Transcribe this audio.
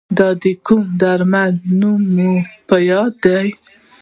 د کومو درملو نوم مو په یاد دی؟